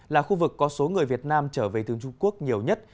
là khu vực có số người việt nam trở về từ trung quốc nhiều nhất